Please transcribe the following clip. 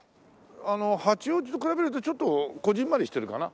八王子と比べるとちょっとこぢんまりしてるかな